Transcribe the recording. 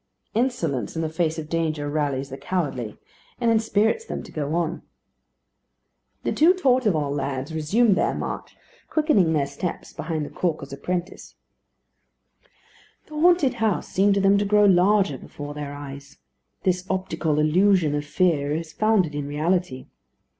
Insolence in the face of danger rallies the cowardly, and inspirits them to go on. The two Torteval lads resumed their march, quickening their steps behind the caulker's apprentice. The haunted house seemed to them to grow larger before their eyes. This optical illusion of fear is founded in reality.